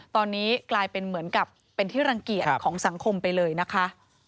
ตอนนี้กลายเป็นเหมือนกับเป็นที่รังเกียจของสังคมไปเลยนะคะ